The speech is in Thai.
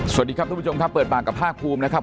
สวัสดีครับทุกผู้ชมครับเปิดปากกับภาคภูมินะครับ